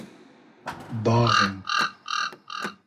باغیم